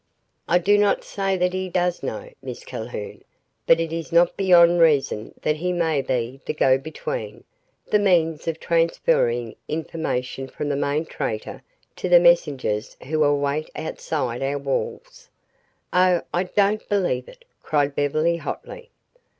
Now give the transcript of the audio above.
"I do not say that he does know, Miss Calhoun, but it is not beyond reason that he may be the go between, the means of transferring information from the main traitor to the messengers who await outside our walls." "Oh, I don't believe it!" cried Beverly hotly.